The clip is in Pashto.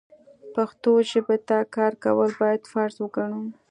پښتو ژبې ته کار کول بايد فرض وګڼو.